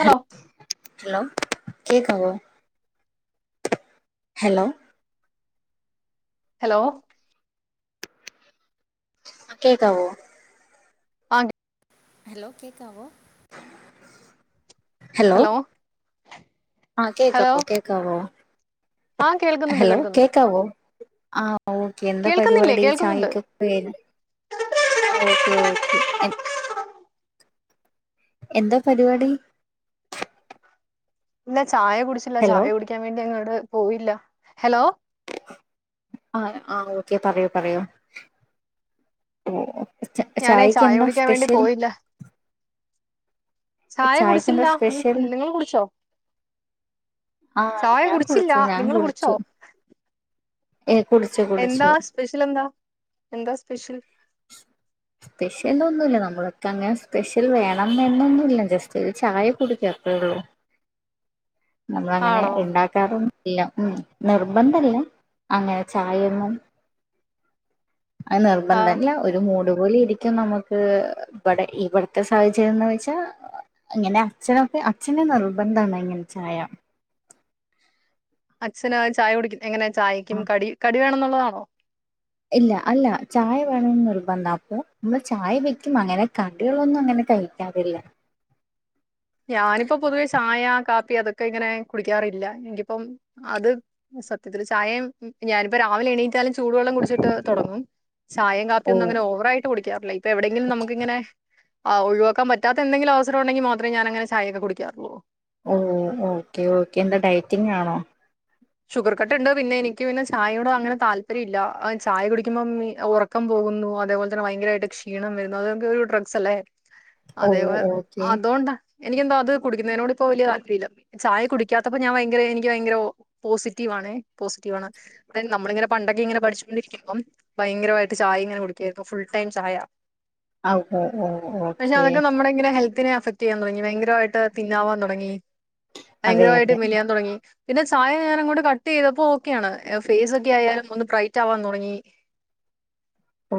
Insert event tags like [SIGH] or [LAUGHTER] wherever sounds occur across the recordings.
Hello hello കേക്കാവോ hello hello ആ കേക്കാവോ ആ ഹലോ കേക്കാവോ ഹലോ ആ ഹലോ കേക്കാവോ കേക്കാവോ ആ കേൾക്കുന്നുണ്ട് ഹലോ കേൾക്കുന്നുണ്ട് കേക്കാവോ ആ ഓക്കെ എന്താ കേൾക്കുന്നില്ലേ പരിപാടി കേൾക്കുന്നുണ്ട് ചായക്ക് ഇപ്പൊ കേൾക്കാം അ ഓക്കെ ഓക്കെ എന്താ പരിപാടി ഇല്ല ചായ കുടിച്ചില്ല ഹലോ ചായ കുടിക്കാൻ വേണ്ടി അങ്ങോട് പോയില്ല ഹലോ ആ ആ ഓക്കെ പറയൂ പറയൂ ഓ ച്ച ഞാനേ ചായക്ക് ചായ എന്താ കുടിക്കാൻ വേണ്ടി സ്പെഷ്യൽ പോയില്ല ചായ ചായക്ക് എന്താ കുടിച്ചില്ല നി സ്പെഷ്യൽ നിങ്ങള് കുടിച്ചോ ആ ചായ ഞാൻ കുടിച്ചില്ല കുടിച്ചു ഞാൻ നിങ്ങള് കുടിച്ചു കുടിച്ചോ ഏ കുടിച്ചു എന്താ കുടിച്ചു സ്പെഷ്യല് എന്താ? എന്താ സ്പെഷ്യൽ? സ്പെഷ്യൽ എന്താ ഒന്നുമില്ല നമ്മളൊക്കെ അങ്ങനെ സ്പെഷ്യൽ വേണം എന്ന് ഒന്നുമില്ല ജസ്റ്റ് ഒരു ചായ കൂടിക്കത്രേയുള്ളൂ നമ്മള് അങ്ങനെ ആണോ ഉണ്ടാക്കാറ് ഒന്നും ഇല്ല ഉം നിർബന്ധല്ല അങ്ങനെ ചായയൊന്നും അത് ആ നിർബന്ധല്ല ഒരു മൂഡ് അതുപോലെ ഇരിക്കും നമുക്ക് ഇവിടെ ഇവിടുത്തെ സാഹചര്യംന്ന് വെച്ചാൽ ഇങ്ങനെ അച്ഛനൊക്കെ അച്ഛന് നിർബന്ധമാണ് ഇങ്ങനെ ചായ അച്ഛന് ചായ കുടിക്കും എങ്ങനെയാ ചായക്കും കടി കടി വേണം എന്നുള്ളതാണോ ഇല്ല അല്ല ചായ വേണംന്ന് നിർബന്ധം അപ്പൊ നമ്മള് ചായ വെക്കും അങ്ങനെ കടികളൊന്നും അങ്ങനെ കഴി ക്കാറില്ല ഞാനിപ്പോ പൊതുവെ ചായ കാപ്പി അതൊക്കെ ഇങ്ങനെ കുടിക്കാറില്ല ഇനിപ്പം അത് സത്യത്തില് ചായയും ഞാനിപ്പോ രാവിലെ എണീറ്റാലും ചൂടുവെള്ളം കുടിച്ചിട്ട് തുടങ്ങും ചായേം കാപ്പിയും ഓ ഒന്നും അങ്ങനെ ഒവറായി ട്ട് കുടിക്കാറില്ല ഇപ്പോ എവിടെങ്കിലും നമുക്ക് ഇങ്ങനെ ആഹ് ഒഴിവാക്കാൻ പറ്റാത്ത എന്തെങ്കിലും അവസരം ഉണ്ടെങ്കിൽ മാ ഇപ്പം ഞാനങ്ങനെ ചായയൊക്ക കുടിക്കാറുള്ളൂ ഓ ഓക്കെ ഓക്കെ എന്താ ഡയറ്റിങ് ആണോ ഷുഗർ കട്ട് ഉണ്ട് പിന്നെ എനിക്ക് പിന്നെ ചായയോട് അങ്ങനെ താല്പര്യം ഇല്ല ചായ കുടിക്കുമ്പോ ഉറക്കം പോകുന്നു അതേപോലെ തന്നെയങ്കരമായിട്ട് ക്ഷീണം വരുന്നു അതൊക്കെ ഒരു ഡ്രഗ്സ്സല്ലേ ഓ അതെ ഓക്കെ അതോണ്ട് എനിക്കെന്തോ അത് കുടിക്കുന്നതിനോട് ഇപ്പോ വല്ല്യ താല്പര്യമില്ല ചായ കുടിക്കാത്തപ്പോ ഞാൻ ഭയങ്കര എനിക്ക് ഭയങ്കര ഒ പോസിറ്റീവ് ആണേ പോസിറ്റീവ് ആണ് അത് നമ്മളിങ്ങനെ പണ്ടൊക്കെ ഇങ്ങനെ പഠിച്ചോണ്ടിരിക്കുമ്പം ഭയങ്കരമായിട്ട് ചായ ഇങ്ങനെ കുടിക്കുവായിരുന്നു ഫുൾ ടൈം ചായ ആ ഓ ഓ പക്ഷെ ഓക്കെ അതൊക്കെ നമ്മടെ ഇങ്ങനെ ഹെൽ ത്തിനെ അഫക്ട് ചെയ്യാൻ തുടങ്ങി ഭയങ്കരമായിട്ട് തിന്നാവാൻ തുടങ്ങി അതെ ഭയങ്കരമായിട്ട് അതെ മെലിയാൻ തുടങ്ങി പിന്നെ ചായ ഞാനങ്ങോട്ട് കട്ട് ചെയ്തപ്പോ ഓക്കെയാണ് ഫേസ് ഒക്കെ ആയാലും ഒന്ന് ബ്രൈറ്റ് ആവാൻ തുടങ്ങി ഓ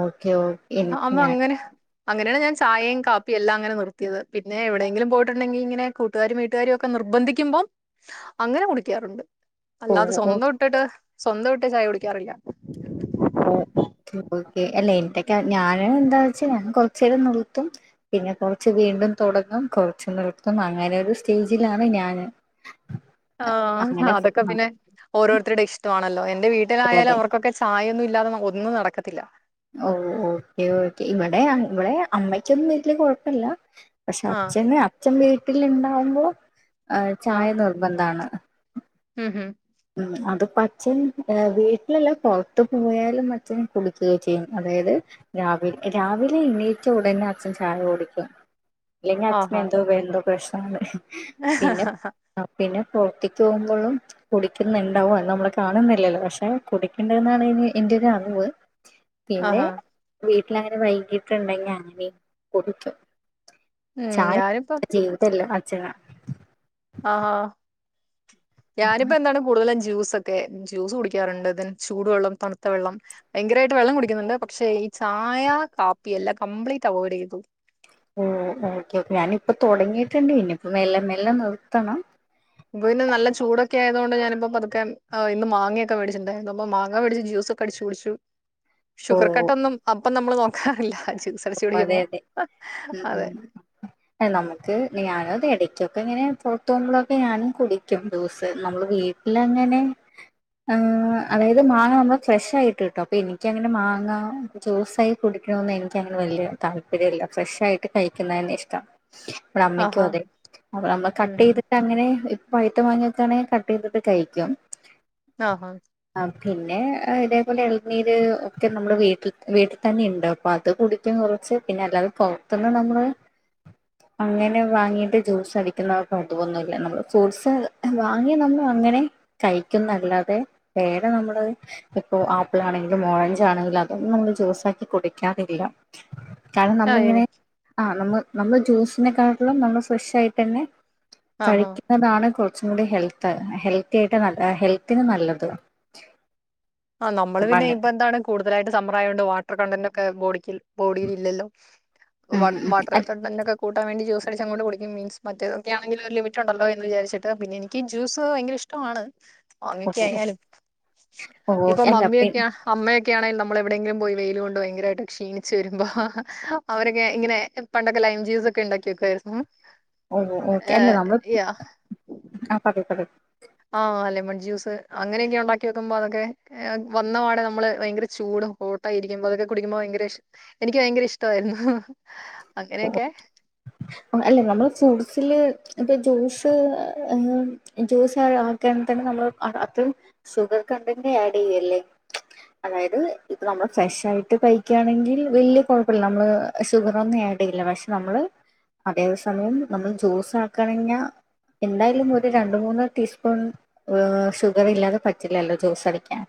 ഓക്കേ ഓ എനി- അമ്മ ഞാൻ അങ്ങനെ അങ്ങനെയാണ് ഞാൻ ചായയും കാപ്പിയെല്ലാം അങ്ങനെ നിർത്തിയത് പിന്നെ എവിടെങ്കിലും പോയിട്ടുണ്ടെങ്കിൽ ഇങ്ങനെ കു കൂട്ടുകാരും വീട്ടുകാരും ഒക്കെ നിർബന്ധിക്കുമ്പോ അങ്ങനെ കുടിക്കാറുണ്ട് ഓ അല്ലാതെ ഓ സ്വന്തം ഇട്ടിട്ട് സ്വന്തം ഇട്ട് ചായ കുടിക്കാറില്ല ഓ ഓക്കെ ഓക്കെ അല്ല എന്റൊക്കെ ഞാന് എന്താ വെച്ചാ ഞാൻ കൊറച്ചു നേരം നിർത്തും പിന്നെ കൊറച്ച് വീണ്ടും തുടങ്ങും കുറച്ച് നിർത്തും അങ്ങനെ ഒരു സ്റ്റേജിലാണ് ഞാന് ആഹ് അങ്ങനെ ഫോ അതൊക്കെ ആഹ് പിന്നെ ഓരോരുത്തരുടെയും ഇഷ്ടമാണല്ലോ എന്റെ അതെ വീട്ടിലായാലും അതെ അവർക്കൊക്കെ ചായയൊന്നും ഇല്ലാതെ ഒന്നും നടക്കത്തില്ല ഓ ഓക്കെ ഓക്കെ ഇവിടെ ഇവിടെ അമ്മയ്ക്കൊന്നും വീട്ടില് കൊഴപ്പില്ല പക്ഷെ ആഹ് അച്ഛന് അച്ഛൻ വീട്ടിൽ ഇണ്ടാവുമ്പോ ചായ ആഹ് നിർബന്ധാണ് [UNINTELLIGIBLE] ഉം അതിപ്പൊ അച്ഛൻ വീട്ടിലല്ല പുറത്ത് പോയാലും അച്ഛന് കുടികൊക്കെ ചെയ്യും അതായത് രാവില രാവിലെ എണീറ്റ ഉടനെ അച്ഛൻ ചായ കുടിക്കും അല്ലെങ്കിൽ അച്ഛന് ആഹാ എന്തോ വേറെന്തോ പ്രശ്നൊണ്ട് [UNINTELLIGIBLE] ആഹ് പിന്നെ പുറത്തേക്ക് പോകുമ്പോഴും കുടിക്കുന്നുണ്ടാവോ അത് നമ്മള് കാണുന്നില്ലല്ലോ പക്ഷെ കുടിക്കുണ്ട്ന്നാണ് നി എന്റെ ഒരറിവ് പിന്നെ ആഹാ വീട്ടില് അങ്ങനെ വൈകീട്ടുണ്ടെങ്കി അങ്ങനേം കുടിക്കും ഉം ചായ ഞാനിപ്പം [UNINTELLIGIBLE] ആഹ് ഞാനിപ്പോ എന്താണ് കൂടുതലും ജ്യൂസൊക്കെ ജ്യൂസ് കുടിക്കാറുണ്ട് ദേൻ ചൂടുവെള്ളം തണുത്ത വെള്ളം ഭയങ്കരായിട്ട് വെള്ളം കുടിക്കുന്നുണ്ട് പക്ഷേ ഈ ചായ കാപ്പി എല്ലാം കംപ്ലീറ്റ് അവോയ്ഡ് ചെയ്തു ഉം ഓക്കെ ഓക്കെ ഞാനിപ്പൊ തുടങ്ങിയിട്ടുണ്ടേനു ഇനീപ്പോ മെല്ലെ മെല്ലെ നിർത്തണം പിന്നെ നല്ല ചൂടൊക്കെ ആയത് കൊണ്ട് ഞാനിപ്പോ പതുക്കെ ഇന്ന് മാങ്ങയൊക്കെ മേടിച്ചിട്ടുണ്ടായിരുന്നു അപ്പൊ മാങ്ങ മേടിച്ച് ജ്യൂസ് അടിച്ചു കുടിച്ചു ഓ ഷുഗർ കട്ടൊന്നും അപ്പം നമ്മൾ നോക്കാറില്ല ജ്യൂസ് അടിച്ച് അതെ കുടിക്കുമ്പോ അതെ ഉം അതെ നമുക്ക് ഞാന് അത് ഇടയ്ക്കൊക്കെ ഇങ്ങനെ പുറത്ത് പോകുമ്പോഴൊക്കെ ഞാനും കുടിക്കും ജ്യൂസ് നമ്മള് വീ ട്ടിലങ്ങനെ ആഹ് അതായത് മാങ്ങ നമ്മള് ഫ്രഷ് ആയിട്ട് കിട്ടും അപ്പൊ എനിക്കങ്ങനെ മാങ്ങ ജ്യൂസായി കുടിക്കണന്ന് എനിക്കങ്ങനെ വലിയ താല്പര്യമില്ല ഫ്രഷായിട്ട് കഴിക്കുന്നന്നെ ഇഷ്ടം ഇവടെ അമ്മയ്ക്കും ആഹാ. അതെ അപ്പ നമ്മൾ ഉം കട്ട് ഉം. ചെയ്ത് അങ്ങനെ പഴുത്ത മാങ്ങക്കാണെങ്കിൽ കട്ട് ചെയ്തിട്ട് കഴിക്കും ആഹ് ആ പിന്നെ ഇതേപോലെ ഇളനീര് ഒക്കെ നമ്മുടെ വീട്ടിൽ വീട്ടിൽ തന്നെ ഇണ്ട് അ അത് കുടിക്കും കുറച്ച് പിന്നെ അല്ലാതെ പൊറത്തുന്ന് നമ്മള് അങ്ങനെ വാങ്ങിയിട്ട് ജ്യൂസ് അടിക്കുന്നവർക്ക് തോന്നൂലാ നമ്മള് ഫ്രൂട്സ് വാങ്ങിയാ ന്നന്നു അങ്ങനെ കഴിക്കുന്നല്ലാതെ വേറെ നമ്മള് ഇപ്പൊ ആപ്പിളാണെങ്കിലും ഓറഞ്ച് ആണെങ്കിലും അതൊന്നും നമ്മള് ജ്യൂസാക്കി കുടിക്കാതെ ഇല്ല കാരണം ആ നമ്മളിങ്ങനെ എനി ആഹ് നമ്മ് നമ്മ് ജ്യൂസിനെക്കാട്ടിലും നമ്മള് ഫ്രഷ് ആയിട്ടന്നെ ആഹാ. കഴിക്കും അതാണ് കുറച്ചും കൂടി ഹെൽത്ത് ഹെൽത്തി ആയിട്ട് ഹെൽത്തിന് നല്ലത് ആഹ്‌ നമ്മള് അപ്പ പിന്നെ അങ്ങനെ ഇപ്പൊ എന്താണ് കൂടുതലായിട്ട് സമ്മർ ആയോണ്ട് വാട്ടർ കണ്ടന്റോക്കെ ബോഡിക്കിൽ ബോഡില് ഇല്ലല്ലോ വാ ഉം ഉം വാട്ടറ് അല്ല കണ്ടന്റോക്കെ കൂട്ടാൻവേണ്ടി ജ്യൂസ് അടിച്ച് അങ്ങോട്ട് കുടിക്കും മീൻസ് മറ്റേതൊക്കെയാണങ്കില് ഒരു ലിമിറ്റുണ്ടല്ലൊ എന്ന് വിചരിച്ചിട്ട് പിന്നെ എനിക്ക് ജ്യൂസ്‌ ഭയങ്കര ഇഷ്ടമാണ് ഓമക്ക്യ ആയാലും ഓ ഓ ഇപ്പൊ അല്ല മമ്മി പി യൊക്യാ അമ്മെയൊക്കൊയാണെൽ നമ്മൾ എവിടെയെങ്കിലും പോയി വെയില് കൊണ്ട് ഭയങ്കരായിട്ട് ക്ഷീണിച്ച് വരുമ്പോ അവരൊക്കെ ഇങ്ങനെ എ പണ്ടൊക്കെ ലൈം ജ്യൂസ് ഒക്കെ ഇണ്ടാക്കി വെക്കായിരുന്നു ഓ ഓക്കെല്ലേ നമ്മള് ആ പറയ് പറയ് ആഹ് ലെമൺ ജ്യൂസ് അങ്ങനെയൊക്കെ ഉണ്ടാക്കി വെക്കുമ്പോ അതൊക്കെ വന്നപാടെ നമ്മള് ഭയങ്കര ചൂടും ഹോട്ടായിരിക്കുമ്പോ അതൊക്കെ കുടിക്കുമ്പോ ഭയങ്കര എനിക്ക് ഭയങ്കര ഇഷ്ടായിരുന്നു അങ്ങനെയൊക്കെ അല്ല നമ്മള് ഫ്രൂട്സില് ഇപ്പ ജ്യൂസ് ജ്യൂസ് ആകാണ് തന്നെ നമ്മൾ അത് സുഗർ കൺടെന്റ് ആഡ് യ്യല്ലേ അതായത് ഇപ്പൊ നമ്മള് ഫ്രഷായിട്ട് കഴിക്കയാണെങ്കിൽ വെല്യേ കൊഴപ്പില്ല നമ്മള് സുഗറൊന്നും ആഡ് എയില്ല പക്ഷെ നമ്മള് അതേ സമയം നമ്മൾ ജ്യൂസ് ആക്കണഞ്ഞ എന്തായാലും ഒരു രണ്ടു മൂന്ന് ടീസ്പൂൺ അഹ് ഷുഗറില്ലാതെ പറ്റില്ലല്ലോ ജ്യൂസ് അടിക്കാൻ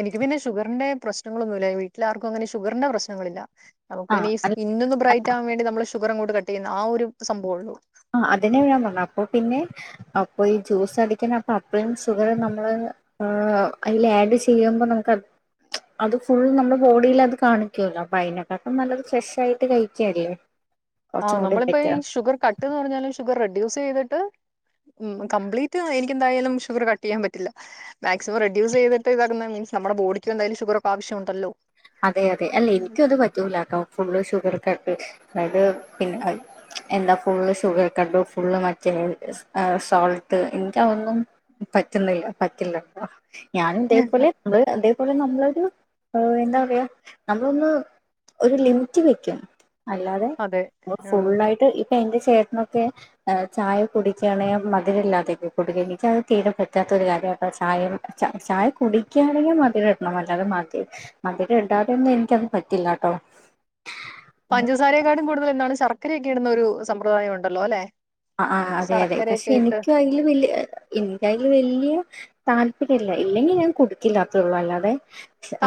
എനിക്ക് പിന്നെ ഷുഗറിന്റെ പ്രശ്നങ്ങളൊന്നുല്ല വീട്ടില് ആർക്കും അങ്ങനെ ഷുഗറിന്റെ പ്രശ്നങ്ങളില്ല നമുക്ക് ആ പിന്നെ ഈ അല്ല, സ്കിന്നൊന്ന് ബ്രൈറ്റാവാൻ വേണ്ടി നമ്മള് ഷുഗറങ്ങോട്ട് കട്ടെയ്യിന്ന ആ ഒരു സംഭവൊള്ളൂ ആ അതിന്നെ ഞാൻ പറഞ്ഞെ അപ്പൊ പിന്നെ അപ്പൊ ഈ ജ്യൂസ് അടിക്കണ അപ്പൊ അത്രി ഷുഗറ് നമ്മള് ആഹ്‌ അയില് ആഡ് ചെയ്യുമ്പോ നമുക്ക് അത് ഫുള്ളും നമ്മൾ ബോഡീലത് കാണിക്കോല്ലോ അയിനേക്കാട്ടും നല്ലത് ഫ്രഷായിട്ട് കഴിക്കല്ലേ ആഹ് കുറച്ചും കൂടി നമ്മളിപ്പോ ഈ ബെറ്റർ ഷുഗർ കട്ട് എന്ന് പറഞ്ഞാലും ഷുഗർ റെഡ്യൂസ് ചെയ്തിട്ട് മ് കംപ്ലീറ്റ് എനിക്ക് എന്തായാലും ഷുഗർ കട്ട് ചെയ്യാൻ പറ്റില്ല മാക്സിമം റെഡ്യൂസ് ചെയ്തിട്ട് ഇതാക്കുന്ന മീൻസ് നമ്മടെ ബോഡിക്ക് എന്തായാലും ഷുഗറൊക്കെ ആവശ്യണ്ടല്ലോ അതെ അതെ അല്ല എനിക്കും അത് പറ്റൂലാട്ടോ ഫുള്ള് ഷുഗർ കട്ട് അത് പിന്നെ എന്നാ ഫുള്ള് ഷുഗർ കട്ടും ഫുള്ള് മറ്റേ സോൾട്ട് എന്താ ഒന്നും പറ്റുന്നില്ല പറ്റില്ലട്ടോ ഞാനും ഇതേപോലെ നമ്മള് ഇതേപോലെ നമ്മളൊരു എന്താ നമ്മളൊന്ന് ഒരു ലിമിറ്റ് വെക്കും അല്ലാതെ അതെ ആഹ് ഫുള്ളായിട്ട് ഇപ്പെന്റെ ചേട്ടനൊക്കെ ഏഹ് ചായ കുടിക്കാണേ മധിരല്ലാതെ ഒകെ കുടിക്ക എനിക്ക് അത് തീരെ പറ്റാത്ത ഒരു കാര്യാട്ടോ ചായയു ച ചായ കുടിക്കാണെങ്കി മധിരടണം അല്ലാതെ മധി മധി രണ്ടാതൊന്നു ഇൻക്കത് പറ്റില്ലാട്ടോ പഞ്ചസാരയെക്കാട്ടിം കൂടുതല് എന്താണ് ശർക്കരൊക്കെ ഇടുന്നൊരു സമൃദായം ഉണ്ടല്ലോ അല്ലെ അഹ് അഹ് അതെ യതെ പക്ഷെ ശർക്കരയൊക്കെ ഇട്ട് ഇനിക്കയ്ല് വെല്യേ എഹ് ഇൻക്കയ്ല് വെല്യേ താൽപര്യല്ല ഇല്ലെങ്കി ഞാൻ കൊട്ക്കില്ലാ അത്രള്ളൂ അല്ലാതെ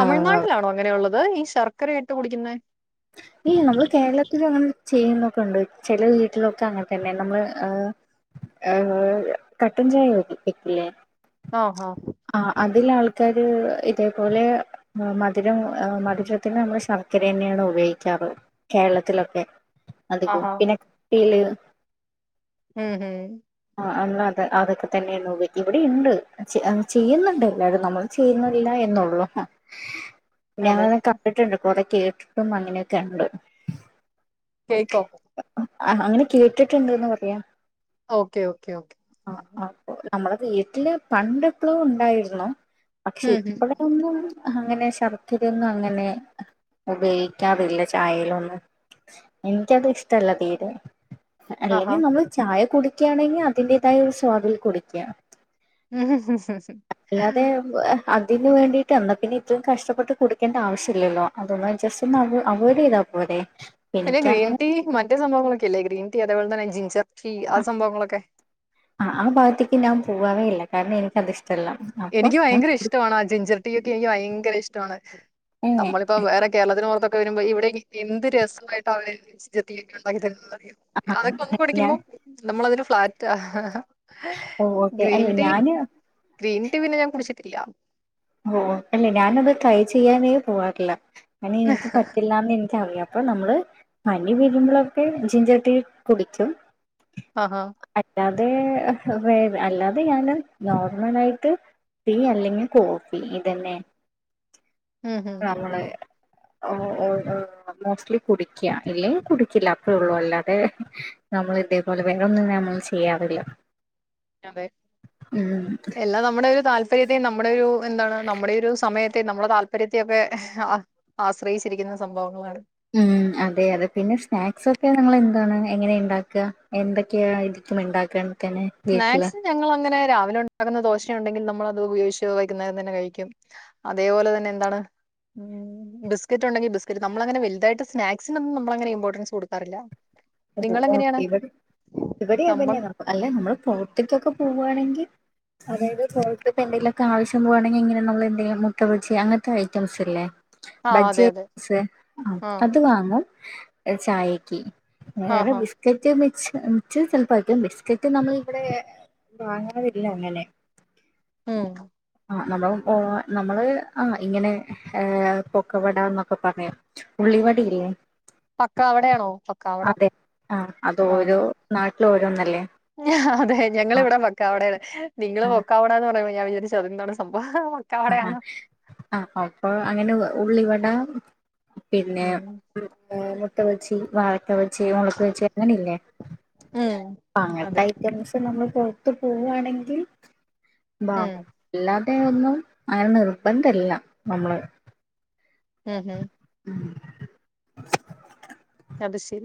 ആ അങ്ങനെയുള്ളത് ഈ ശർക്കരയിട്ട് കുടിക്കിന്നെ [UNINTELLIGIBLE] നമ്മള് കേരളത്തിലും അങ്ങനെ ചെയ്യുന്നൊകൊണ്ട് ചെല വീട്ടിലൊക്കെ അങ്ങൻ തെന്നെ നമ്മള് ഏഹ് ഏഹ് കട്ടൻ ചായ വെക്കൂല്ലേ ഓഹ് ഹോ ആഹ്‌ അതിലാൾക്കാര് ഇതേപോലെ ഏഹ്‌ മധിരം ഏഹ് മധിരത്തി നമ്മള് ശർക്കരന്ന്യെണ് ഉപയ് ക്കാര് കേരളത്തിലൊക്കെ അതികോം ആഹാ പിന്നെ [UNINTELLIGIBLE] ഉം ഹ് ആഹ്‌ അന്ന് അത് അതൊക്കെ തെന്നെന്നുപയോ ഇവടിണ്ട് ചെ ഏഹ് ചെയ്യ്ന്ന്ണ്ടെല്ലരും നമ്മള് ചെയ്യ്ന്ന്ല്ല എന്നൊള്ളൂ ഞാ അതെ [UNINTELLIGIBLE] കണ്ടിട്ടിണ്ട് കൊറേ കേട്ടിട്ടും അങ്ങനെയൊക്കെണ്ട് കേക്കോ അഹ് അങ്ങനെ കേട്ടിട്ടിണ്ട്ന്ന് പറയാ ഓക്കേ ഓക്കേ ഓക്കേ ആ [UNINTELLIGIBLE] അപ്പൊ നമ്മളെ വീട്ടില് പണ്ടെപ്പളോ ഉണ്ടായിരുന്നു പക്ഷെ ഉം ഹും ഇപ്പളൊന്നും അങ്ങനെ ശർക്കരൊന്നും അങ്ങനെ ഉപയോഗിക്കാറില്ല ചായയിലൊന്നും ഇൻക്കത് ഇഷ്ടല്ല തീരെ ആഹാ അല്ലെങ്കി നമ്മള് ചായ കുടിക്ക്യാണെങ്കി അതിന്റേതായ ഒരു സ്വാദിൽ കുടിക്ക്യാ. അല്ലാതെ [UNINTELLIGIBLE] അതിന് വേണ്ടിട്ട് എന്നാ പിന്നെ ഇത്രയും കഷ്ടപ്പെട്ട് കുടിക്കേണ്ട ആവശ്യലല്ലോ അതൊന്ന് ജസ്റ്റ് നവോ അവോയ്ഡെയ്ത പൊരെ പിന്നെ ഗ്രീൻ റ്റീ മറ്റേ സംഭവങ്ങളൊക്കെല്ലേ ഗ്രീൻ റ്റീ അതെപോലെ തന്നെ ജിഞ്ചർ റ്റീ ആ സംഭവങ്ങളൊക്കെ ആഹ് ആ ഭാഗത്തേക്ക് ഞാൻ പോവാറേ ഇല്ല കാരണം ഇൻക്കതിഷ്ടല്ല. എനിക്ക് ഭയങ്കര ഇഷ്ടമാണ് ആ ജിഞ്ചർ റ്റീയൊക്കെ എനിക്ക് ഭയങ്കര ഇഷ്ടമാണ് ഏ നമ്മള് പ്പൊ വേറെ കേരളത്തിന് പൊറത്തൊക്കെ വെരുമ്പോ ഇവിടെ നി എന്ത് രസമായിട്ട അവര് ജിഞ്ചർ റ്റീ ഉണ്ടാക്കി തരുന്നത് അറിയൊ അതൊക്കൊന്ന് കുടിക്കുമ്പോ ഞാൻ നമ്മളതില് ഫ്ലാറ്റാ ഓ ഓക്കെ അല്ല ഗ്രീൻ റ്റീ ഞാന് ഗ്രീൻ റ്റീ പിന്നെ ഞാൻ കുടിച്ചിട്ടില്ല. ഓഹ് അല്ലെ ഞാനത് ട്രൈ ചെയ്യാനേ പോവാറില്ല കാരണം ഇൻക്ക് പറ്റില്ലാന്നെനിക്കറിയാം. ഇപ്പൊ നമ്മള് പനി വീരുമ്പളൊക്കെ ജിഞ്ചർ റ്റീ കുടിക്കും അഹാ അല്ലാതെ വേ അല്ലാതെ ഞാന് നോർമലായിട്ട് റ്റീ അല്ലെങ്കിൽ കോഫി ഇതെന്നെ ഉം ഉം നമ്മള് ഏഹ് ഏഹ് ഏഹ് മോസ്റ്റ്ലി കുടിക്ക്യാ ഇല്ലെങ്കി കുടി കില്ല അത്രൊള്ളൂ അല്ലാതെ നമ്മള് ഇതേപോലെ വേറൊന്നും നമ്മൾ ചെയ്യാറില്ല. അതെ ഉം എല്ലാം നമ്മുടെ ഒരു താല് പര്യത്തെയും നമ്മളൊരു എന്താണ് നമ്മടെ ഒരു സമയത്തെയും നമ്മടെ താല്പര്യത്തെയും ഒക്കെ ആ ആശ്രയിച്ചിരിക്കുന്ന സംഭവങ്ങളാണ്. ഉം അതെ യതെ പിന്നെ സ്നാക്സൊക്കെ ഞങ്ങള് എന്താണ് എങ്ങനെണ്ടാക്ക എന്തൊക്ക്യ ഇത് ത്തുമ്ണ്ടാക്കാൻ തന്നെ വീട്ടില് സ്നാക്സ് ഞങ്ങളങ്ങനെ രാവിലെ ഉണ്ടാകുന്ന ദോശ ഉണ്ടെങ്കിൽ നമ്മളത് ഉപയോഗിച്ച് വൈക്കുന്നേരം തന്നെ കഴിക്കും. അതേപോലെ തന്നെ എന്താണ് ഉം ബിസ്ക്കറ്റ് ഉണ്ടെങ്കിൽ ബിസ്ക്കറ്റ് നമ്മളങ്ങനെ വലതായിട്ട് സ്നാക്സിനൊന്നും നമ്മളങ്ങന ഇമ്പോർട്ടൻസ് കൊടുക്കാറില്ല ഓ ഓക്കെ നിങ്ങളെങ്ങനെയാണ് ഇവിടെ നമ്മൾ ഇവിടെയാന്നെ അല്ല നമ്മള് പോർത്തേക്കൊക്കെ പോവുവാണെങ്കി അതായത് പൊറത്തിപ്പോ എന്തെങ്കലൊക്കെ ആവശ്യം പോകുവാണെങ്കിൽ ഇങ്ങനെ നമ്മള് എന്തെങ്കിലും മുട്ടബജി അങ്ങനത്തെ ഐറ്റംസ് ഇല്ലേ ആ അതെ ബജ്ജീ അതെ ഐറ്റംസ് ആ അത് വാങ്ങും ചായക്ക് വേറെ ആഹാ ബിസ് ബിസ്കറ്റ് മിച് മിചറ് ചിലപ്പായിരിക്കും ബിസ്കറ്റ് നമ്മള് ഇവിടെ വാങ്ങാറില്ല അങ്ങനെ ഉം ആഹ് നമ്മളും നമ്മള് ആഹ് ഇങ്ങനെ പൊക്കവട എന്നൊക്കെ പറയും ഉള്ളിവടയില്ലേ പക്കാവടയാണോ പക്കാവട അതെ ആഹ് അത് ആ ഓരോ നാട്ടില് ഓരോന്നല്ലേ അതെ ഞങ്ങള ആ ഇവിടെ പക്കാവടേണ് നിങ്ങള് ആ പൊക്കാവടാന്ന് പറയുമ്പോൾ ഞാൻ വിരിജാരിച് അതെന്താണ് സംഭവം ആഹ് പക്കാവടയാണോ ആഹ് അപ്പൊ അങ്ങനെ ഉള്ളിവട പിന്നെ ഉം മുട്ടബജി വാഴ മുട്ട ബജി മുളക് ബജി അങ്ങനെയില്ലേ ഉം അങ്ങനത്തെ അതെ അയ്റ്റംസ് ഇപ്പൊ നമ്മൾ പുറത്ത് പോവാണെങ്കിൽ ഉം വാങ്ങും അല്ലാതെ ഒന്നും അങ്ങനെ നിർബന്ധല്ല നമ്മള് ഉം ഉം ഉം അത് ശരി